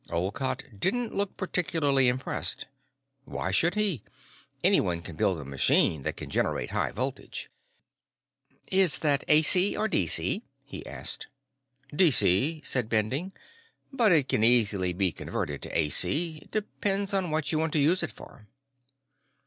Olcott didn't look particularly impressed. Why should he? Anyone can build a machine that can generate high voltage. "Is that AC or DC?" he asked. "DC," said Bending. "But it can easily be converted to AC. Depends on what you want to use it for."